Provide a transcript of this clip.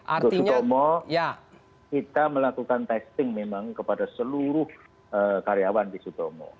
untuk sutomo kita melakukan testing memang kepada seluruh karyawan di sutomo